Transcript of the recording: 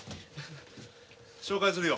紹介するよ。